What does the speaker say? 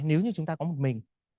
nếu như chúng ta có một mình